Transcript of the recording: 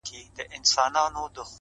عاجزي د عزت دروازې خلاصوي.!